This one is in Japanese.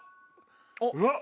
うわっ！